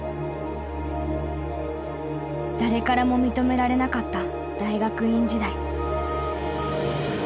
誰からも認められなかった大学院時代。